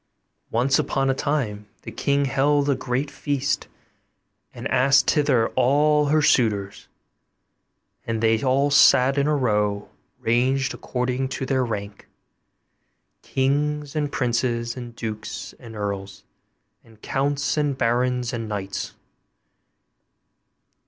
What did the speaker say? Once upon a time the king held a great feast, and asked thither all her suitors; and they all sat in a row, ranged according to their rank kings, and princes, and dukes, and earls, and counts, and barons, and knights.